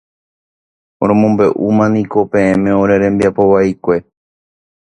Romombeʼúmaniko peẽme ore rembiapo vaikue.